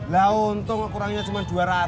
lah untung kurangnya cuma dua ratus